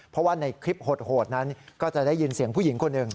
เพราะว่าในคลิปโหดนั้นก็จะได้ยินเสียงผู้หญิงคนหนึ่ง